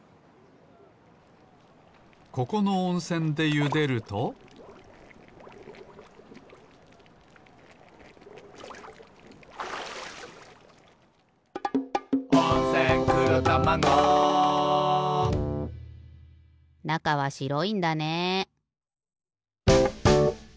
ここのおんせんでゆでると「温泉黒たまご」なかはしろいんだね。